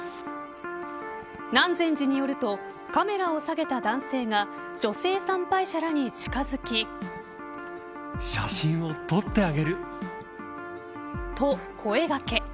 南禅寺によるとカメラを下げた男性が女性参拝者らに近づきと、声掛け。